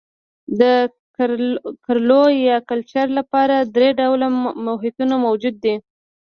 د کرلو یا کلچر لپاره درې ډوله محیطونه موجود دي.